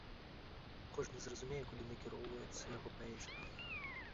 Кожны зразумее куды накіроўваецца яго паэзія.